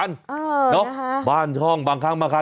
เออนะฮะเนาะบ้านช่องบางครั้งมาค่ะ